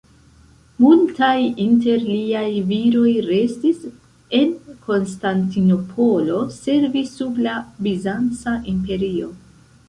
Multaj inter liaj viroj restis en Konstantinopolo servi sub la bizanca imperio.